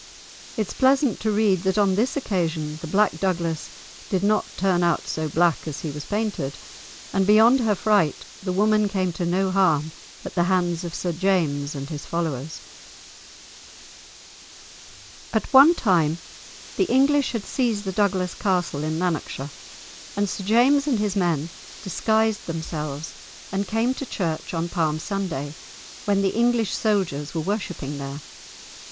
It is pleasant to read that on this occasion the Black Douglas did not turn out so black as he was painted, and beyond her fright the woman came to no harm at the hands of Sir James and his followers. At one time the English had seized the Douglas castle in Lanarkshire, and Sir James and his men disguised themselves and came to church on Palm Sunday, when the English soldiers were worshipping there.